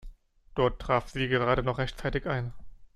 Dort traf sie gerade noch rechtzeitig ein.